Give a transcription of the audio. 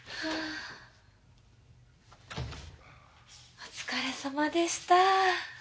お疲れさまでした。